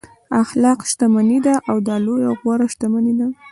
اخلاق شتمني ده دا لویه او غوره شتمني ده.